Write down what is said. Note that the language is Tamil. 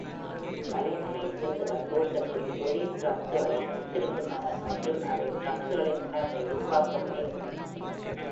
வலை-முனை திண்டுகள் தோற்றத்தில் ஒலி டிரம்சுகளை ஒத்திருக்கின்றன மற்றும் அவை டிரம்சுகளின் உணர்வை உருவாக்க முனைகின்றன.